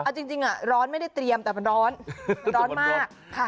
เอาจริงร้อนไม่ได้เตรียมแต่มันร้อนร้อนมาก